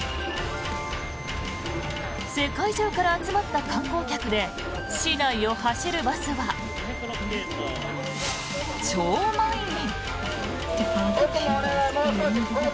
世界中から集まった観光客で市内を走るバスは超満員。